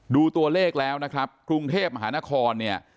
ดูตัวเลขแล้วนะครับกรุงเทพมหานครเนี่ย